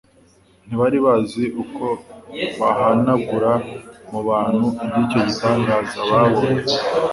Ntibari bazi uko bahanagura mu bantu iby'icyo gitangaza babonye.